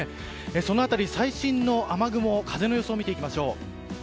その辺り最新の雨雲を風の予想を見ていきましょう。